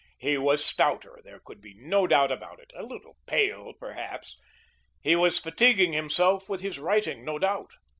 He was stouter, there could be no doubt of it. A little pale, perhaps. He was fatiguing himself with his writing, no doubt.